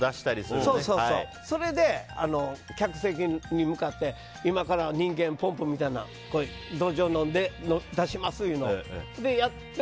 それで、客席に向かって今から人間ポンプみたいなドジョウのんで出しますって言って。